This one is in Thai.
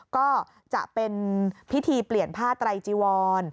ก็จะเป็นพิธีเปลี่ยนผ้าไตรจีวร